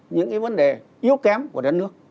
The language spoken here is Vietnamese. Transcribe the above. những cái vấn đề yếu kém của đất nước